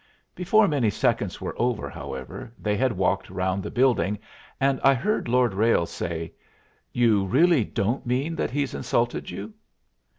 Before many seconds were over, however, they had walked round the building, and I heard Lord Ralles say, "You really don't mean that he's insulted you?"